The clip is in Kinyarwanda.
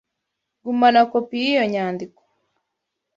Gumana kopi yiyo nyandiko.